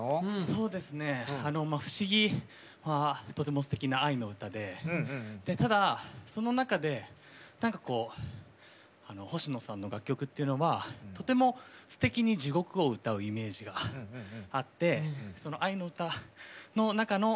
そうですね「不思議」はとてもすてきな愛の歌でただその中で何かこう星野さんの楽曲っていうのはとてもすてきに地獄を歌うイメージがあってその愛の歌の中のその何て言うかな